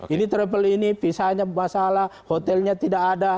ini travel ini pisanya masalah hotelnya tidak ada